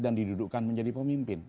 dan didudukan menjadi pemimpin